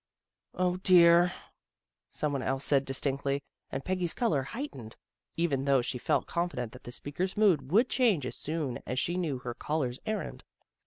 " O dear! " someone else said distinctly, and Peggy's color heightened, even though she felt confident that the speaker's mood would change as soon as she knew her caller's errand.